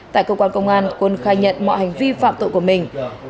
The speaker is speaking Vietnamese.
tại cơ quan công an quân khai nhận mọi hành vi phạm tội của mình